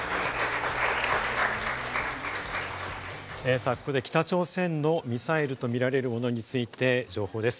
さぁ、ここで北朝鮮のミサイルとみられるものについて情報です。